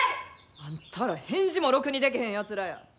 あんたら返事もろくにでけへんやつらや。